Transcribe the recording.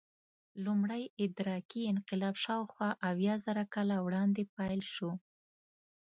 لومړی ادراکي انقلاب شاوخوا اویازره کاله وړاندې پیل شو.